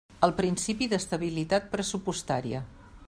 El principi d'estabilitat pressupostaria.